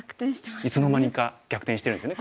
いつの間にか逆転してるんですね。